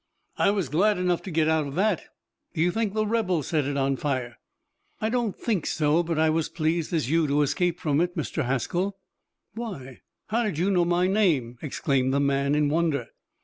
"I was glad enough to get out of that. Do you think the rebels set it on fire?" "I don't think so, but I was as pleased as you to escape from it, Mr. Haskell." "Why, how did you know my name?" exclaimed the man in wonder.